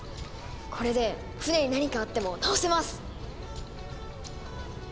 これで船に何かあっても直せます！